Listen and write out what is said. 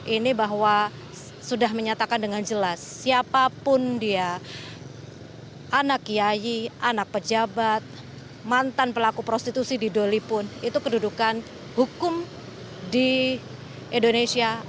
ini bahwa sudah menyatakan dengan jelas siapapun dia anak yayi anak pejabat mantan pelaku prostitusi di doli pun itu kedudukan hukum di indonesia